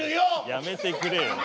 やめてくれよ。